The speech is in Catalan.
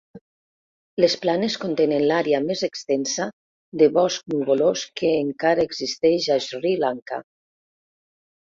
Les planes contenen l'àrea més extensa de bosc nuvolós que encara existeix a Sri Lanka.